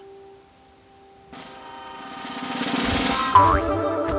tidak aku tidak bisa terbang